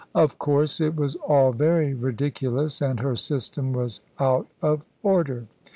Of course, it was all very ridiculous, and her system was out of order.